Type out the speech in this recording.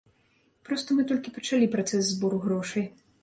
Проста мы толькі пачалі працэс збору грошай.